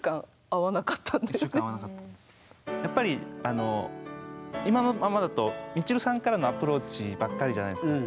やっぱり今のままだとみちるさんからのアプローチばっかりじゃないですか。